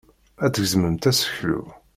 Ad tgezmemt aseklu.